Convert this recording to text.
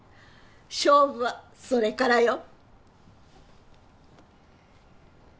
勝負はそれからよ。